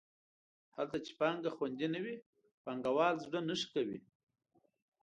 هلته چې پانګه خوندي نه وي پانګوال زړه نه ښه کوي.